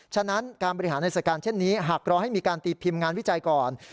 ฉะนั้นการบริหารในสถานการณ์เช่นนี้หากรอให้มีการตีพิมพ์งานวิจัยก่อน